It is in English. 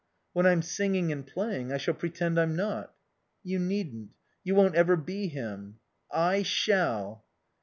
"When I'm singing and playing I shall pretend I'm not." "You needn't. You won't ever be him." "I shall."